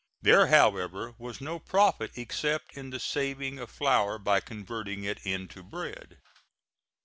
There, however, was no profit except in the saving of flour by converting it into bread.